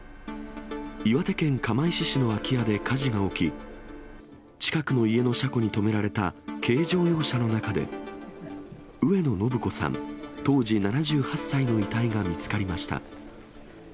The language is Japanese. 岩手県釜石市の空き家で火事が起き、近くの家の車庫に止められた軽自動車の中で、上野誠子さん、当時７８歳の遺体が見つかりました。